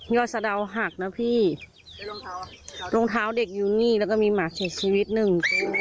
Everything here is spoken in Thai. สะดาวหักนะพี่รองเท้ารองเท้าเด็กอยู่นี่แล้วก็มีหมาเสียชีวิตหนึ่ง